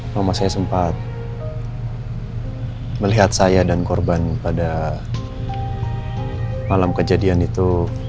mama saya sempat melihat saya dan korban pada malam kejadian itu